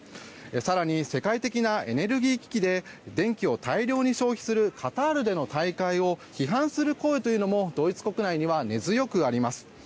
更に、世界的なエネルギー危機で電気を大量に消費するカタールでの大会を批判する声というのもドイツ国内には根強くあります。